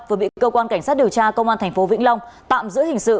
vừa bị cơ quan cảnh sát điều tra công an thành phố vĩnh long tạm giữ hình sự